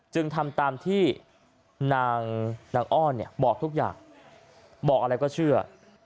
จึงทำตามที่นางอ้อนบอกทุกอย่างบอกอะไรก็เชื่อ